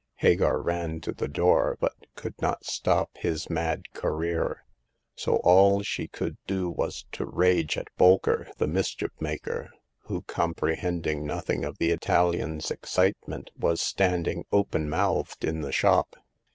Hagar ran to the door, but could not stop his mad career ; so all she could do was to rage at Bolker, the mischief maker, who, comprehend ing nothing of the Italian's excitement, was stand ing open mouthed in the shop.